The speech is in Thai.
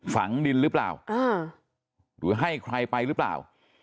ฝังดินหรือเปล่าหรือให้ใครไปหรือเปล่า